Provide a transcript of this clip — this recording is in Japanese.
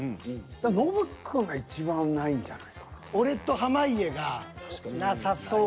ノブくんが一番ないんじゃないかな。